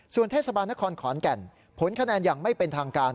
ส่วนเทศบาลนครขอนแก่นผลคะแนนอย่างไม่เป็นทางการ